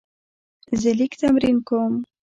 زه لیک تمرین کوم.